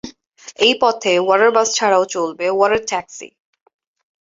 এই পথে water bus ছাড়াও চলবে ওয়াটার ট্যাক্সি।